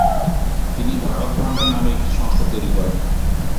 তিনি 'ভারত ভান্ডার' নামের একটি সংস্থা তৈরি করেন।